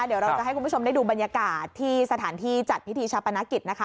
เดี๋ยวเราจะให้คุณผู้ชมได้ดูบรรยากาศที่สถานที่จัดพิธีชาปนกิจนะคะ